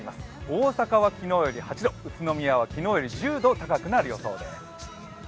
大阪は昨日より８度、宇都宮は１０度高くなるようです。